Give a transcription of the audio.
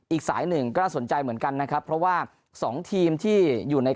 อีกสายหนึ่งก็น่าสนใจเหมือนกันนะครับเพราะว่า๒ทีมที่อยู่ใน